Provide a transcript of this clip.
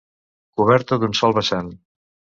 Coberta d'un sol vessant.